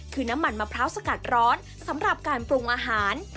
คือน้ำมันมะพร้าวสกัดร้อนสำหรับการปรุงอาหาร